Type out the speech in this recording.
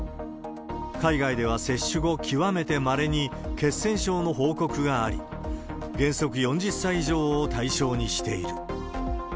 海外では接種後、極めてまれに血栓症の報告があり、原則４０歳以上を対象にしている。